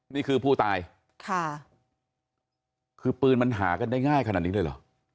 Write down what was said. นี่คือผู้ตายค่ะคือปืนมันหากันได้ง่ายขนาดนี้เลยเหรอ